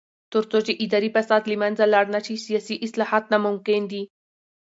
تر څو چې اداري فساد له منځه لاړ نشي، سیاسي اصلاحات ناممکن دي.